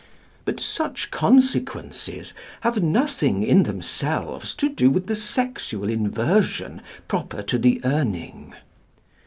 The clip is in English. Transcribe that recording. But such consequences have nothing in themselves to do with the sexual inversion proper to the Urning.